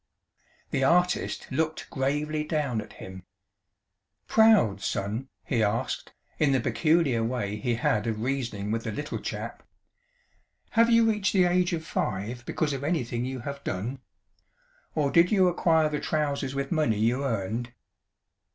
The artist looked gravely down at him. "Proud, Son?" he asked, in the peculiar way he had of reasoning with the Little Chap. "Have you reached the age of five because of anything you have done? Or did you acquire the trousers with money you earned?"